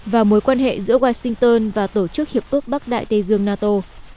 và mối quan hệ giữa washington và tổ chức hiệp ước bắc đại tây dương nato